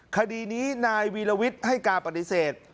คดีนี้นายวีรวิทย์ให้การปฏิเสธ